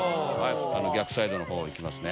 逆サイドのほう行きますね。